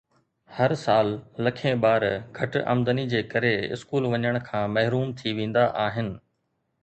هر سال لکين ٻار گهٽ آمدني جي ڪري اسڪول وڃڻ کان محروم ٿي ويندا آهن